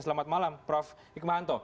selamat malam prof hikmahanto